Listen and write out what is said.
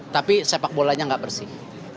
tapi sepak bolanya nggak bersih